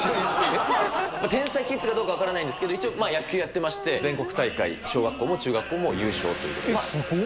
天才キッズかどうか分からないんですけど、一応野球やってまして、全国大会、小学校も中学校も優勝ということすごっ。